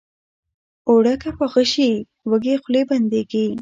اوړه که پاخه شي، وږې خولې بندېږي